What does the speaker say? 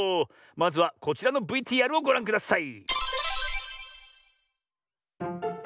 まずはこちらのＶＴＲをごらんください。